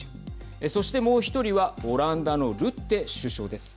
そして、もう１人はオランダのルッテ首相です。